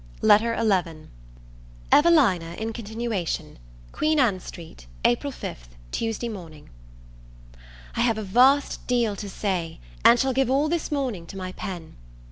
LETTER XI EVELINA IN CONTINUATION Queen Ann Street, April 5, Tuesday Morning. I HAVE a vast deal to say, and shall give all this morning to my pen.